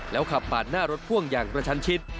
แล้วขับปาดหน้ารถพ่วงอย่างกระชันชิด